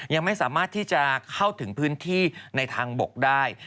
ยังไม่สามารถที่จะเข้าถึงพื้นที่ในทางบกได้